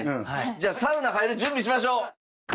じゃあサウナ入る準備しましょう。